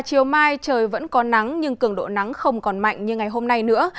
chiều mai trời vẫn có nắng nhưng cường độ nắng không còn mạnh như ngày hôm nay nữa